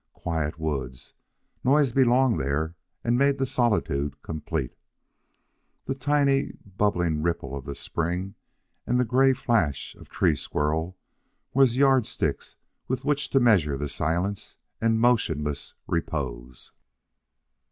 Quiet woods, noises belonged there and made the solitude complete. The tiny bubbling ripple of the spring and the gray flash of tree squirrel were as yardsticks with which to measure the silence and motionless repose.